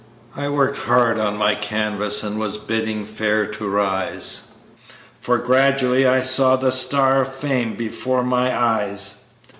I worked hard at my canvas, and was bidding fair to rise, For gradually I saw the star of fame before my eyes.